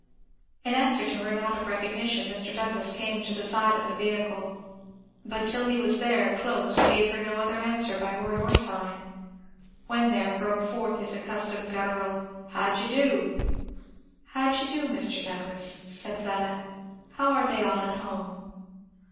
In answer to her nod of recognition Mr. Douglass came to the side of the vehicle; but till he was there, close, gave her no other answer by word or sign; when there, broke forth his accustomed guttural, "How d'ye do!" "How d'ye do, Mr. Douglass," said Fleda. "How are they all at home?"